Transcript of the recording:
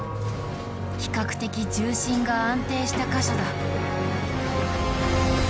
比較的重心が安定した箇所だ。